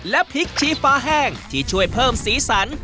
และพริกชี้ฟ้าแห้งที่ช่วยเพิ่มสีสัน